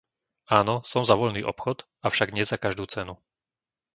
Áno, som za voľný obchod, avšak nie za každú cenu!